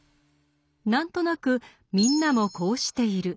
何となく「みんなもこうしている」